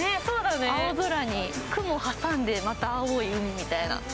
青空に雲挟んで、また青い海みたいな。